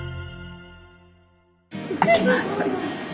開けます。